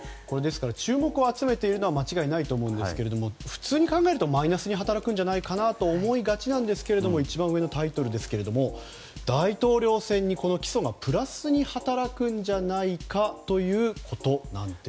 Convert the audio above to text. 注目を集めているのは間違いないと思うんですが普通に考えるとマイナスに働くんじゃないかと思いがちですが大統領選に起訴がプラスに働くんじゃないかということなんです。